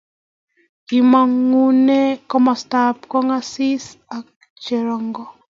Kimongune komasta nebo kongasis ak cherongo